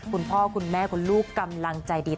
คุณพ่อคุณแม่คุณลูกกำลังใจดี